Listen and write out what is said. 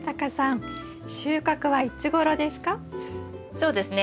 そうですね